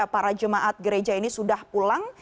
para jemaat gereja ini sudah pulang